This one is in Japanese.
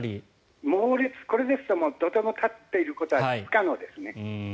猛烈です、これですととても立っていることは不可能です。